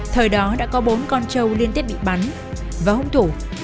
thời đó đã có bốn con trâu liên tiếp bị bắn và hung thủ